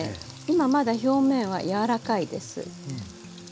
今まだ表面は柔らかいです。